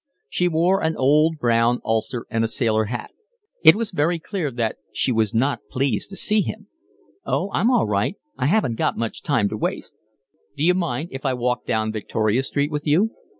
She wore an old brown ulster and a sailor hat. It was very clear that she was not pleased to see him. "Oh, I'm all right. I haven't got much time to waste." "D'you mind if I walk down Victoria Street with you?"